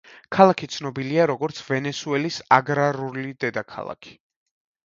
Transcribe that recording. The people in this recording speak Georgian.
ქალაქი ცნობილია როგორც „ვენესუელის აგრარული დედაქალაქი“.